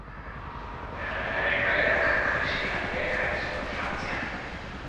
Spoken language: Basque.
Erregearen galerak krisi larria ekarri zuen Frantzian.